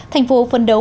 thành phố phấn đấu